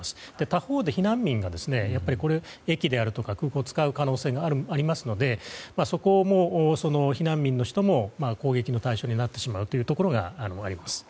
他方で避難民が、駅であるとか空港を使う可能性がありますので避難民の人も攻撃の対象になってしまうというところがあります。